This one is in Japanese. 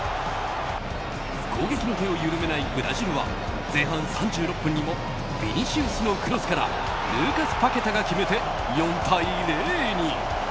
攻撃の手を緩めないブラジルは前半３６分にもヴィニシウスのクロスからルーカス・パケタが決めて４対０に。